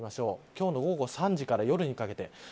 今日の午後３時から夜にかけて。